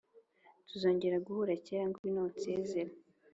tuzongera guhura kera ngwino unsezere?